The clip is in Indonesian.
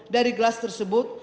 dari gelas tersebut